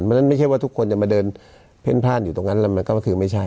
เพราะฉะนั้นไม่ใช่ว่าทุกคนจะมาเดินเพ่นพ่านอยู่ตรงนั้นแล้วมันก็คือไม่ใช่